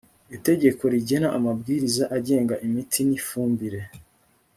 itegeko rigena amabwiriza agenga imiti n ifumbire